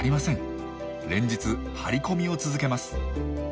連日張り込みを続けます。